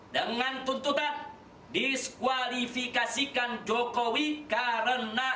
dengan tuntutan diskualifikasikan jokowi karena